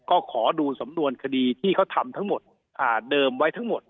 ก็ขอดูสำนวนคดีที่เขาทำทั้งหมดเดิมไว้ทั้งหมด